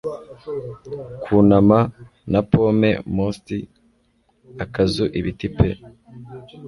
Kwunama na pome moss'd akazu-ibiti pe